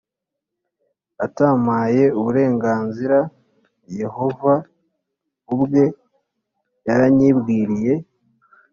Atampaye uburenganzira yehova ubwe yaranyibwiriye